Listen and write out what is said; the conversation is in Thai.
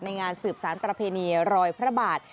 งานสืบสารประเพณีรอยพระบาท